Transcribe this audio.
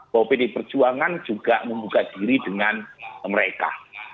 bahwa pdi perjuangan juga membuka diri dengan mereka